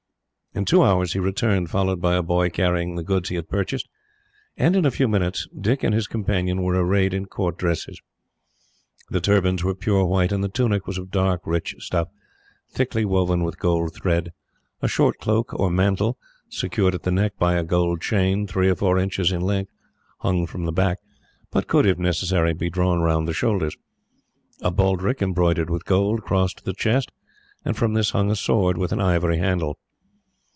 In two hours he returned, followed by a boy carrying the goods he had purchased; and in a few minutes, Dick and his companion were arrayed in Court dresses. The turbans were pure white, and the tunic was of dark, rich stuff, thickly woven with gold thread. A short cloak or mantle, secured at the neck by a gold chain, three or four inches in length, hung from the back; but could, if necessary, be drawn round the shoulders. A baldric, embroidered with gold, crossed the chest, and from this hung a sword with an ivory handle.